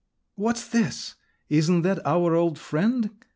"What's this? Isn't that our old friend?"